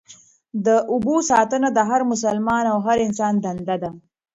د اوبو ساتنه د هر مسلمان او هر انسان دنده ده.